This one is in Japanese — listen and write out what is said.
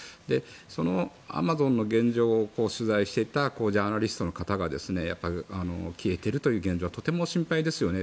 そのアマゾンの現状を取材していたジャーナリストの方が消えているという現状はとても心配ですよね。